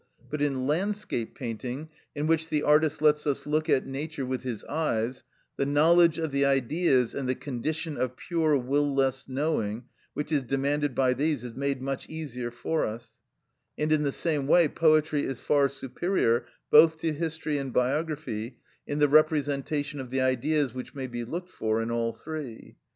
But in landscape painting, in which the artist lets us look at nature with his eyes, the knowledge of the Ideas, and the condition of pure will less knowing, which is demanded by these, is made much easier for us; and, in the same way, poetry is far superior both to history and biography, in the representation of the Ideas which may be looked for in all three.